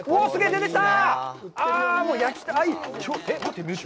出てきた。